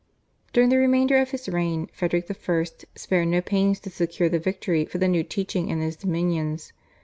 During the remainder of his reign, Frederick I. spared no pains to secure the victory for the new teaching in his dominions.